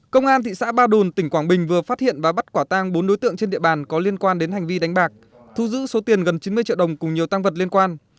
công an thị xã ba đồn tỉnh quảng bình vừa phát hiện và bắt quả tang bốn đối tượng trên địa bàn có liên quan đến hành vi đánh bạc thu giữ số tiền gần chín mươi triệu đồng cùng nhiều tăng vật liên quan